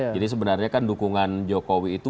jadi sebenarnya kan dukungan jokowi itu